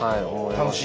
楽しい？